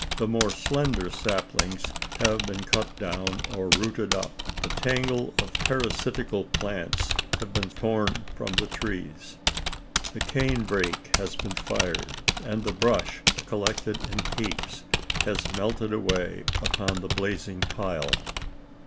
The more slender saplings have been cut down or rooted up; the tangle of parasitical plants have been torn from the trees; the cane brake has been fired; and the brush, collected in heaps, has melted away upon the blazing pile.